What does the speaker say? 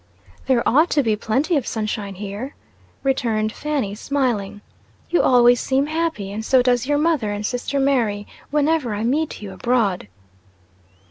"There ought to be plenty of sunshine here," returned Fanny smiling. "You always seem happy, and so does your mother and sister Mary, whenever I meet you abroad."